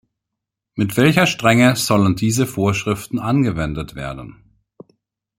Mit welcher Strenge sollen diese Vorschriften angewendet werden?